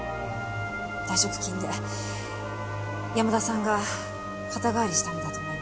退職金で山田さんが肩代わりしたんだと思います。